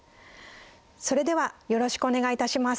それではよろしくお願いいたします。